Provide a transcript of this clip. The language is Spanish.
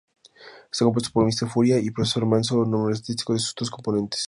Está compuesto por "Mister Furia" y "Professor Manso", nombre artístico de sus dos componentes.